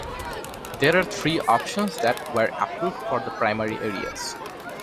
There are three options that were approved for the primary areas.